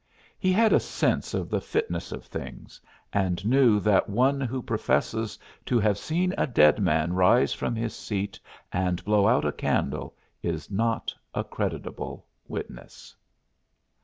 He had a sense of the fitness of things and knew that one who professes to have seen a dead man rise from his seat and blow out a candle is not a credible witness.